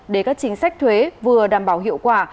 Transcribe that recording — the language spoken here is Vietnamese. để các chính sách thuế vừa đảm bảo hiệu quả